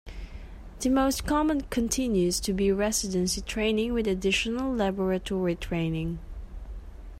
The most common continues to be residency training with additional laboratory training.